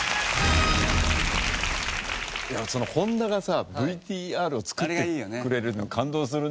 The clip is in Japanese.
そのホンダがさＶＴＲを作ってくれるの感動するね。